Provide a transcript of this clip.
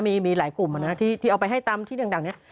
มีหลายกลุ่มที่เอาไปให้ตามที่ดังนี้